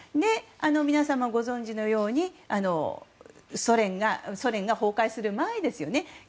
皆様、ご存じのようにソ連が崩壊する前ですよね。